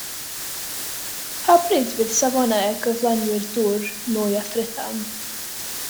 Pa bryd bydd safonau ar gyflenwyr dŵr, nwy a thrydan?